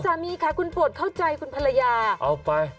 คุณสามีค่ะคุณปลอดเข้าใจคุณภรรยา